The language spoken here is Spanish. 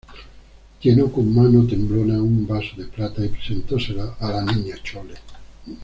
llenó con mano temblona un vaso de plata, y presentóselo a la Niña Chole